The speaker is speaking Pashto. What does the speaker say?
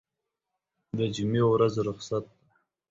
دجمعې ورځ رخصت ده